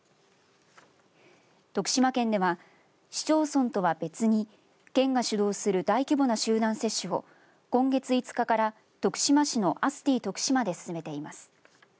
徳島県では市町村とは別に県が主導する大規模な集団接種を今月５日から徳島市のアスティとくしまで進めています。